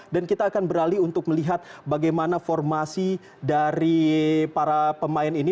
dan kita akan beralih untuk melihat bagaimana formasi dari para pemain ini